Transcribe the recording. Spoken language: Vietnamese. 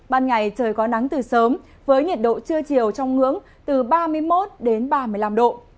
ban ngày trời có nắng từ sớm với nhiệt độ trưa chiều trong ngưỡng từ ba mươi một đến ba mươi năm độ